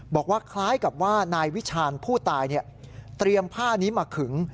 บอกว่าคล้ายกับว่านายวิชาญผู้ตายเตรียมผ้านี้มาขึง